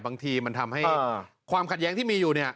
บางทีมันทำให้ความขัดแย้งที่มีอยู่เนี่ย